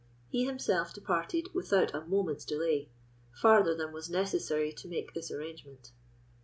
He himself departed without a moment's delay, farther than was necessary to make this arrangement.